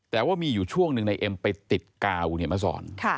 แต่ว่ามีอยู่ช่วงหนึ่งนายเอ็มไปติดกาวเนี่ยมะสอน